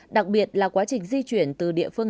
đặc biệt là quá trình di chuyển từ địa phương